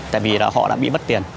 tại vì họ đã bị mất tiền